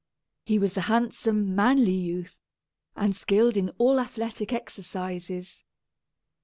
He was a handsome, manly youth, and skilled in all athletic exercises.